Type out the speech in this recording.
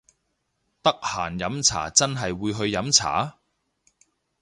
得閒飲茶真係會去飲茶！？